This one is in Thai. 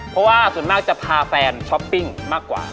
เพราะว่าส่วนมากจะพาแฟนช้อปปิ้งมากกว่า